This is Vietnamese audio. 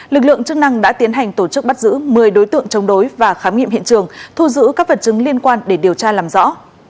lực lượng chức năng đã tiến hành tổ chức bắt giữ một mươi đối tượng chống đối và khám nghiệm hiện trường thu giữ các vật chứng liên quan để điều tra làm rõ